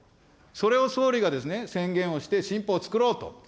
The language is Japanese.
それを総理が宣言をして、新法を作ろうと。